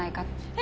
え